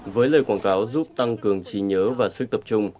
với lời quảng cáo giúp tăng cường trí nhớ và sức tập trung